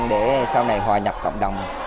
để sau này hòa nhập cộng đồng